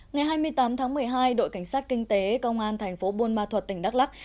ngày hai mươi tám tháng một mươi hai đội cảnh sát kinh tế công an thành phố buôn ma thuật tỉnh đắk lắc